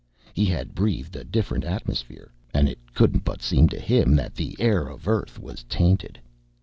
He had breathed a different atmosphere, and it couldn't but seem to him that the air of Earth was tainted.